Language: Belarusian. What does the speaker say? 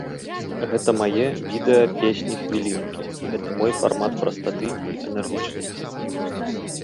Гэта мае відэа-песні-хвілінкі, гэта мой фармат прастаты і энергічнасці.